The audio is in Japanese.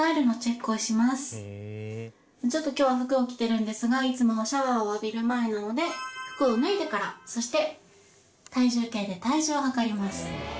今日は服を着てるんですがいつもはシャワーを浴びる前なので服を脱いでからそして体重計で体重を量ります。